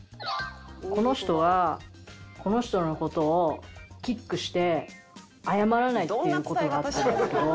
この人はこの人の事をキックして謝らないっていう事があったんですけど。